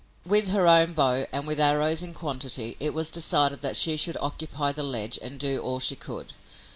With her own bow, and with arrows in quantity, it was decided that she should occupy the ledge and do all she could.